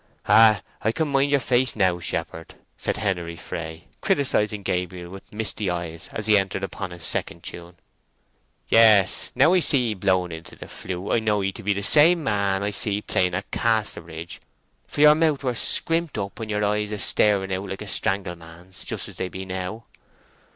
"Ay, I can mind yer face now, shepherd," said Henery Fray, criticising Gabriel with misty eyes as he entered upon his second tune. "Yes—now I see 'ee blowing into the flute I know 'ee to be the same man I see play at Casterbridge, for yer mouth were scrimped up and yer eyes a staring out like a strangled man's—just as they be now."